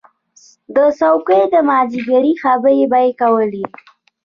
د څوکۍ د مازدیګري خبرې به یې کولې.